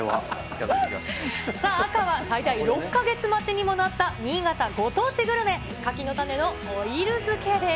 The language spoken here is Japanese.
さあ、赤は、最大６か月待ちにもなった新潟ご当地グルメ、柿の種のオイル漬けです。